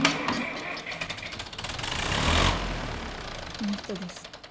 この人です。